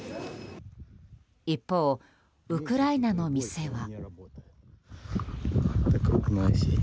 一方、ウクライナの店は。